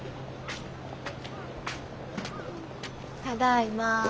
ただいま。